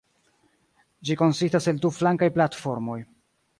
Ĝi konsistas el du flankaj platformoj.